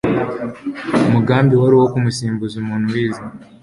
umugambi wari uwo kumusimbuza umuntu wize